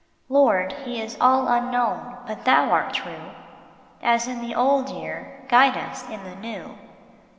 Lord, he is all unknown, but Thou art true ; As in the old year, guide us in the new.